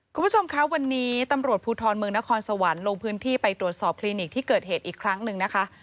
คุณผู้ชมคะวันนี้ตำรวจภูทรเมืองนครสวรรค์ลงพื้นที่ไปตรวจสอบคลินิกที่เกิดเหตุอีกครั้งหนึ่งนะคะ